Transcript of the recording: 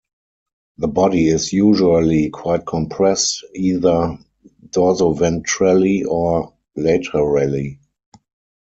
The body is usually quite compressed, either dorsoventrally or laterally.